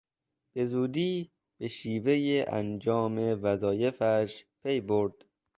به زودی به شیوهی انجام وظایفش پی برد.